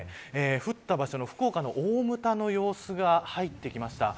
降った場所、福岡の大牟田の様子が入ってきました。